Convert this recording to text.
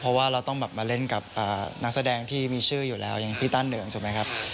เพราะว่าเราต้องแบบมาเล่นกับนักแสดงที่มีชื่ออยู่แล้วอย่างพี่ตั้นเหิงถูกไหมครับ